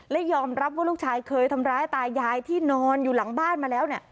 และยอมรับว่าลูกชายเคยทำร้ายตายายที่นอนอยู่หลังบ้านมาแล้วเนี่ย